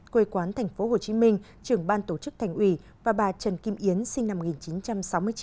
quê quán tp hcm trưởng ban tổ chức thành ủy và bà trần kim yến sinh năm một nghìn chín trăm sáu mươi chín